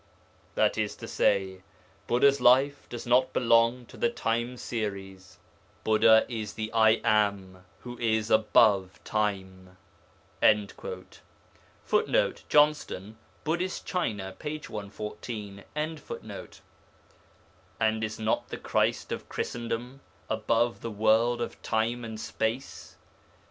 'That is to say, Buddha's life does not belong to the time series: Buddha is the "I Am" who is above time.' [Footnote: Johnston, Buddhist China, p. 114.] And is not the Christ of Christendom above the world of time and space?